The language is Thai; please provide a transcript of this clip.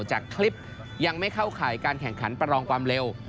จากคลิปยังไม่เข้าข่ายการแข่งขันประลองความเร็ว